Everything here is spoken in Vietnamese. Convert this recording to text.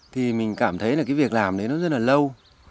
thì mình cảm thấy là cái việc làm đấy nó rất là lâu